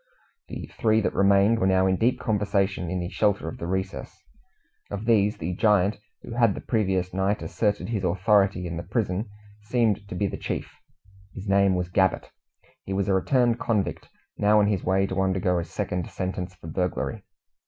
The three that remained were now in deep conversation in the shelter of the recess. Of these, the giant who had the previous night asserted his authority in the prison seemed to be the chief. His name was Gabbett. He was a returned convict, now on his way to undergo a second sentence for burglary.